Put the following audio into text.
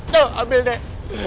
tuh ambil deh